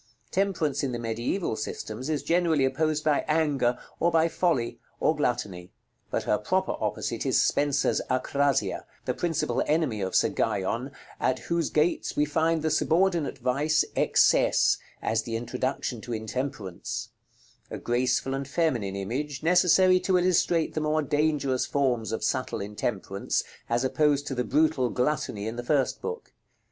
Temperance in the mediæval systems is generally opposed by Anger, or by Folly, or Gluttony: but her proper opposite is Spenser's Acrasia, the principal enemy of Sir Guyon, at whose gates we find the subordinate vice "Excesse," as the introduction to Intemperance; a graceful and feminine image, necessary to illustrate the more dangerous forms of subtle intemperance, as opposed to the brutal "Gluttony" in the first book.